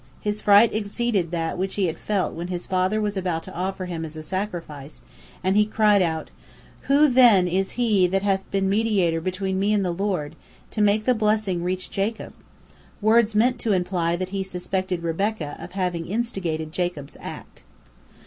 His fright exceeded that which he had felt when his father was about to offer him as a sacrifice, and he cried out, "Who then is he that hath been the mediator between me and the Lord, to make the blessing reach Jacob?"—words meant to imply that he suspected Rebekah of having instigated Jacob's act.